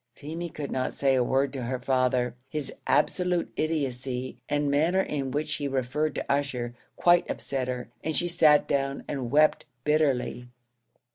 Feemy could not say a word to her father: his absolute idiotcy, and the manner in which he referred to Ussher, quite upset her, and she sat down and wept bitterly.